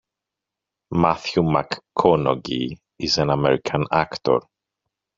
Matthew McConaughey is an American actor.